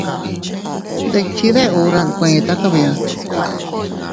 Ndikchi deʼe hura nkueta kabia.